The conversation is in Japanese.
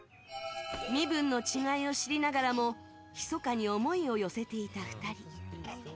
身分の違いを知りながらもひそかに思いを寄せていた２人。